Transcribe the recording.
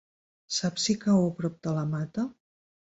Saps si cau a prop de la Mata?